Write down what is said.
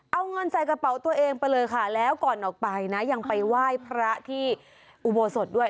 เอาเงินใส่กระเป๋าตัวเองไปเลยค่ะแล้วก่อนออกไปนะยังไปไหว้พระที่อุโบสถด้วย